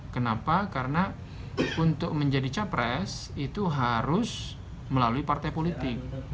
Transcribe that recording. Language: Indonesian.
kenapa karena untuk menjadi capres itu harus melalui partai politik